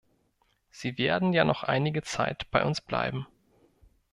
Sie werden ja noch einige Zeit bei uns bleiben.